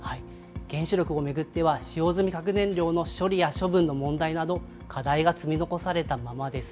原子力を巡っては、使用済み核燃料の処理や処分の問題など、課題が積み残されたままです。